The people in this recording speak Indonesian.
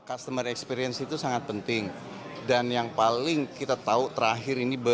customer experience itu sangat penting dan yang paling kita tahu terakhir ini